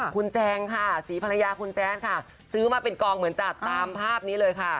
คุณแจงค่ะศรีภรรยาคุณแจ๊ดค่ะซื้อมาเป็นกองเหมือนจัดตามภาพนี้เลยค่ะ